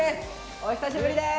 お久しぶりです！